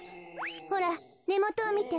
ほらねもとをみて。